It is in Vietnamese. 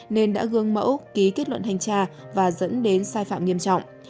nên đã gương mẫu ký kết luận thanh tra và dẫn đến sai phạm nghiêm trọng